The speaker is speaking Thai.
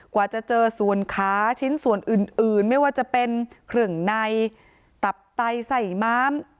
กว่าจะเจอส่วนขาชิ้นส่วนอื่นไม่ว่าจะเป็นเครื่องในตับไตใส่ม้าม